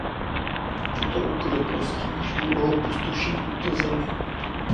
Tyto ukrutnosti již dlouho pustoší tuto zemi.